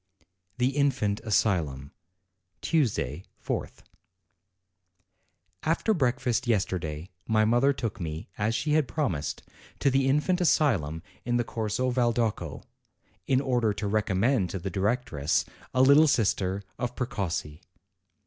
THE INFANT ASYLUM Tuesday, 4th. After breakfast yesterday my mother took me, as she had promised, to the Infant Asylum in the Corso Valdocco, in order to recommend to the directress a THE INFANT ASYLUM 211 little sister of Precossi.